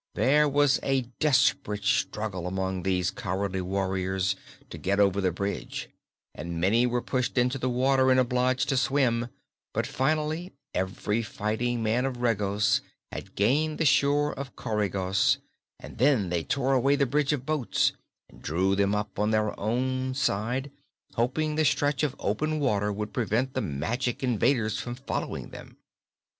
There was a desperate struggle among these cowardly warriors to get over the bridge, and many were pushed into the water and obliged to swim; but finally every fighting man of Regos had gained the shore of Coregos and then they tore away the bridge of boats and drew them up on their own side, hoping the stretch of open water would prevent the magic invaders from following them.